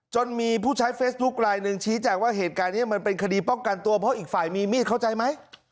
จนมีผู้ใช้เฟซบุ๊คลายหนึ่งชี้แจงว่าเหตุการณ์นี้มันเป็นคดีป้องกันตัวเพราะอีกฝ่ายมีมีดเข้าใจไหม